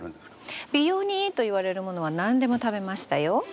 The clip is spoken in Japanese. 美容にいいといわれるものは何でも食べましたよ。